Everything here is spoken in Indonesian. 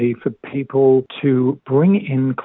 dan tidak terlalu berguna